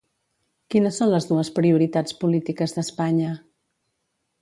Quines són les dues prioritats polítiques d'Espanya?